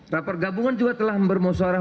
rapor gabungan juga telah bermusyarak